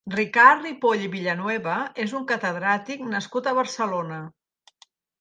Ricard Ripoll i Villanueva és un catedràtic nascut a Barcelona.